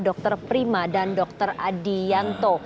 dr prima dan dr adianto